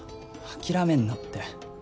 諦めんなって。